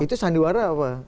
itu sandiwara apa